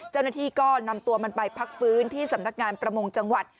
เจ้าหน้าที่ก็นำตัวมันไปพักฟื้นที่สำนักงานประมงจังหวัด